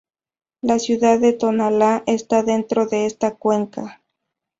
La ciudad de Tonalá, está dentro de esta cuenca.